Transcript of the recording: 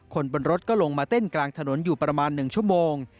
คนบนรถก็ลงมาเต้นกลางถนนอยู่ประมาณ๑ชั่วโมง